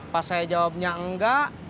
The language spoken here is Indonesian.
pas saya jawabnya enggak